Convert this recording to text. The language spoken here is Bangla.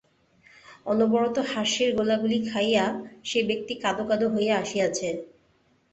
অনবরত হাস্যের গোলাগুলি খাইয়া সে ব্যক্তি কাঁদো কাঁদো হইয়া আসিয়াছে।